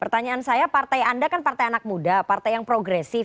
pertanyaan saya partai anda kan partai anak muda partai yang progresif